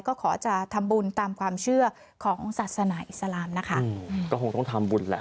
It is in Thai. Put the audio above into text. ก็ขอจะทำบุญตามความเชื่อของศาสนาอิสลามนะคะอืมก็คงต้องทำบุญแหละ